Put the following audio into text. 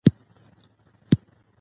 افغانستان له ژمی ډک دی.